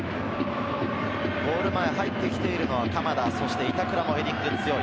ゴール前に入ってきているのは鎌田、板倉もヘディングが強い。